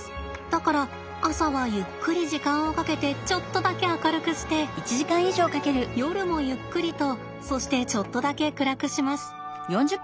だから朝はゆっくり時間をかけてちょっとだけ明るくして夜もゆっくりとそしてちょっとだけ暗くします。